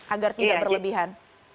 agar tidak berlebihan